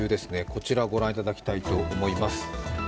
こちら、御覧いただきたいと思います。